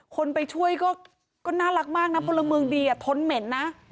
คนไปช่วยก็น่ารักมากนะพลเมืองดีทนเหม็นนะ